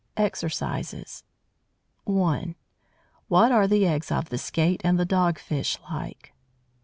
EXERCISES 1. What are the eggs of the Skate and the Dog fish like?